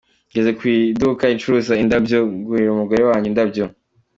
Ngeze ku iduka ricuruza indabyo, ngurira umugore wanjye indabyo.